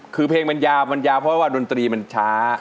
คือเพลงมันยาวมันยาวเพราะว่าดนตรีมันช้า